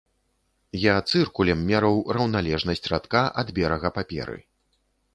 Я цыркулем мераў раўналежнасць радка ад берага паперы.